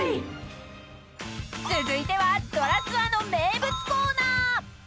［続いては『ドラツア』の名物コーナー］